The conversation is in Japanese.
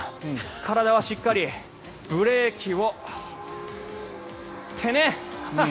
体はしっかりブレーキをってね！